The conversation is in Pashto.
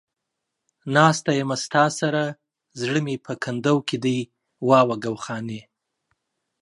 ناسته يمه ستا سره ، زړه مې په کندو کې دى ، واوا گوخانې.